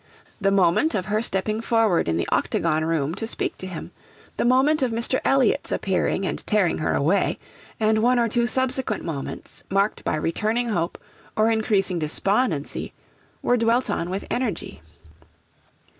The moment of her stepping forward in the octagon room to speak to him, the moment of Mr. Elliot's appearing and tearing her away, and one or two subsequent moments, marked by returning hope or increasing despondency, were dwelt on with energy.